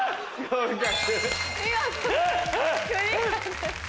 見事クリアです。